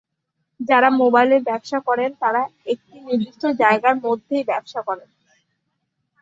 যারা মোবাইলের ব্যবসা করেন তারা একটি নির্দিষ্ট জায়গার মধ্যেই ব্যবসা করেন।